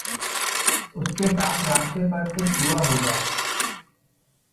उसके साथ रास्ते पर कुछ हुआ होगा।